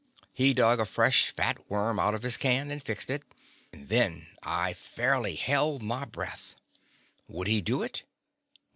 He dug a fresh, fat worm out of his can, and fixed it, and then I fairly held my breath. Would he do it?